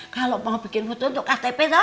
kalau mau bikin foto untuk ktp